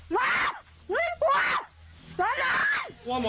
นี่ใครครับ